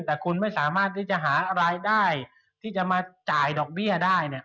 แต่คุณไม่สามารถที่จะหารายได้ที่จะมาจ่ายดอกเบี้ยได้เนี่ย